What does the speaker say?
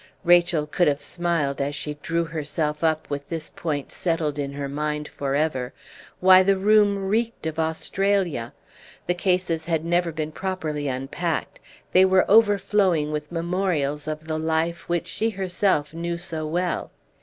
Rachel could have smiled as she drew herself up with this point settled in her mind for ever; why, the room reeked of Australia! These cases had never been properly unpacked, they were overflowing with memorials of the life which she herself knew so well.